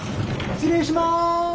失礼します。